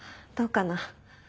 どうかな？